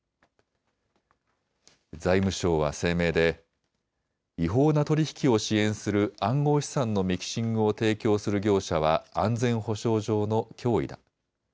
財務省は声明で違法な取り引きを支援する暗号資産のミキシングを提供する業者は安全保障上の脅威だ。